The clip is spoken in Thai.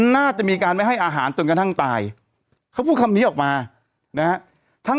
น่าจะมีการไม่ให้อาหารจนกระทั่งตายเขาพูดคำนี้ออกมานะฮะทั้ง